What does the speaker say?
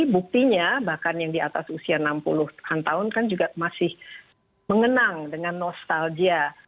buktinya bahkan yang di atas usia enam puluh an tahun kan juga masih mengenang dengan nostalgia